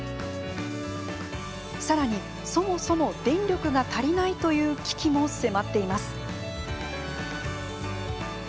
さらに、そもそも電力が足りないという危機も迫っています。